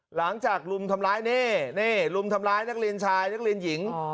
หลังจากรุมทำร้ายนี่รุมทำร้ายนักเรียนชายนักเรียนหญิง